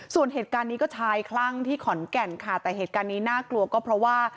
ส่วนเหตุการณ์นี้ก็ชายคลั่งที่ขอนแก่นค่ะแต่เหตุการณ์นี้น่ากลัวก็เพราะว่า